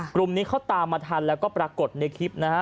กลุ่มนี้เขาตามมาทันแล้วก็ปรากฏในคลิปนะฮะ